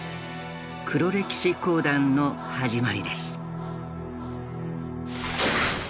黒歴史講談の始まりです。